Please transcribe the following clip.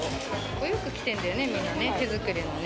お洋服着てるんだよね、みんなね、手作りのね。